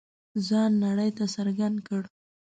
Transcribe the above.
ځان نړۍ ته څرګند کړ.